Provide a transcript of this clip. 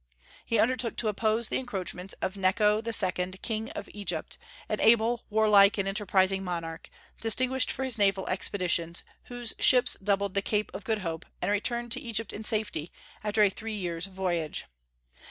He undertook to oppose the encroachments of Necho II, king of Egypt, an able, warlike, and enterprising monarch, distinguished for his naval expeditions, whose ships doubled the Cape of Good Hope, and returned to Egypt in safety, after a three years' voyage.